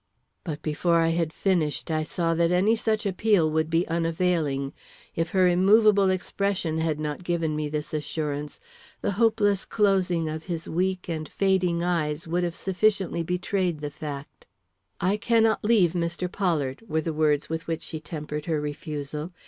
But, before I had finished, I saw that any such appeal would be unavailing. If her immovable expression had not given me this assurance, the hopeless closing of his weak and fading eyes would have sufficiently betrayed the fact. "I cannot leave Mr. Pollard," were the words with which she tempered her refusal.